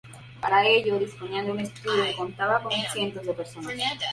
Para ello disponía de un estudio que contaba con cientos de personas.